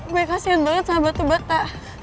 gue kasian banget sama batu bata